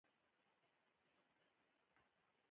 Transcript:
عشق د انسان روح ځواکمنوي.